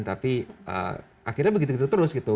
tapi akhirnya begitu gitu terus gitu